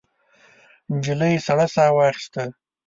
نجلۍ سړه ساه واخیسته.